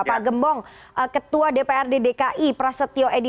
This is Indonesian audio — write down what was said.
pak gembong ketua dprd dki prasetyo edi